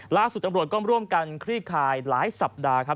ล่าสุดตำรวจก้อมร่วมกันคลี่คายหลายสัปดาห์ครับ